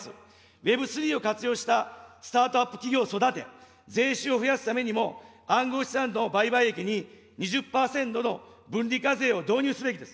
Ｗｅｂ３．０を活用したスタートアップ企業を育て、税収を増やすためにも暗号資産の売買益に２０％の分離課税を導入すべきです。